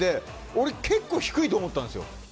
俺、結構低いと思ったんですよ。